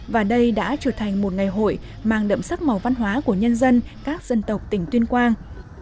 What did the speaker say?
và đây đã trở thành một ngày hội mang đậm sắc màu văn hóa của nhân dân các dân tộc tỉnh tuyên quang